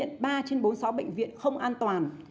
cũng phát hiện ba trên bốn mươi sáu bệnh viện không an toàn